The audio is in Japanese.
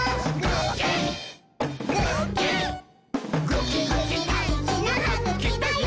ぐきぐきだいじなはぐきだよ！」